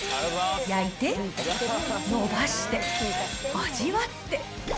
焼いて、伸ばして、味わって。